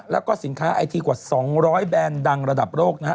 แล้วก็สินค้าไอทีกว่า๒๐๐แบรนด์ดังระดับโลกนะฮะ